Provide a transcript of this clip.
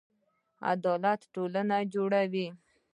عدالت ټولنه جوړوي